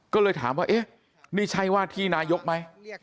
ก็เลยถามว่าเอ๊ะนี่ใช่ว่าที่นายกไหม